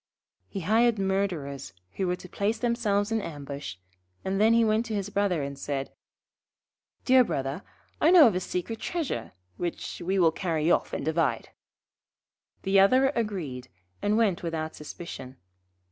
He hired Murderers, who were to place themselves in ambush, and then he went to his Brother, and said: 'Dear Brother, I know of a secret treasure which we will carry off and divide.' The other agreed, and went without suspicion.